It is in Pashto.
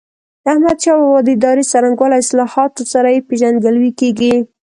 د احمدشاه بابا د ادارې څرنګوالي او اصلاحاتو سره یې پيژندګلوي کېږي.